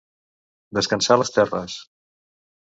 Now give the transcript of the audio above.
Descansar les terres.